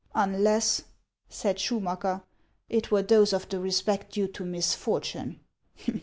" Unless," said Schumacker, " it were those of the respect due to misfortune.